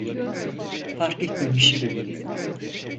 Fark etmemişim.